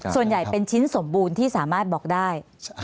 ส่วนใหญ่เป็นชิ้นสมบูรณ์ที่สามารถบอกได้